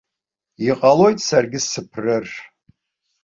Иҟалоит саргьы сыԥрыр.